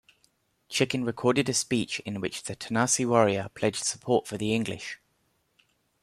Chicken recorded a speech in which the Tanasi Warrior pledged support for the English.